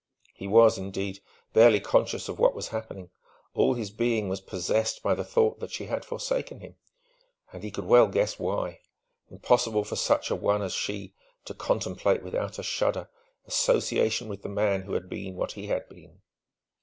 He was, indeed, barely conscious of what was happening. All his being was possessed by the thought that she had forsaken him. And he could well guess why: impossible for such an one as she to contemplate without a shudder association with the man who had been what he had been!